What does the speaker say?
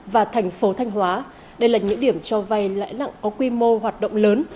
và thành phố thanh hóa đây là những điểm cho vay lãi nặng có quy mô hoạt động lớn